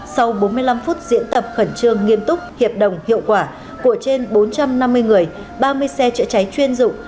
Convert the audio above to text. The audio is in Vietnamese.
sau bốn mươi năm phút diễn tập khẩn trương nghiêm túc hiệp đồng hiệu quả của trên bốn trăm năm mươi người ba mươi xe chữa cháy chuyên dụng